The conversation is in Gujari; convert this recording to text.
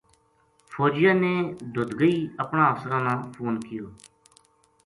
فوجیاں نے ددگئی اپنا افسراں تا فون کیو